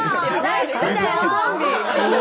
大好きだよ！